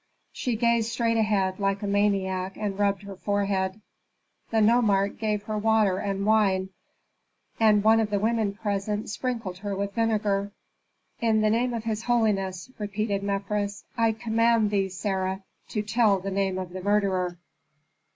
She gazed straight ahead, like a maniac, and rubbed her forehead. The nomarch gave her water and wine, and one of the women present sprinkled her with vinegar. "In the name of his holiness," repeated Mefres, "I command thee, Sarah, to tell the name of the murderer."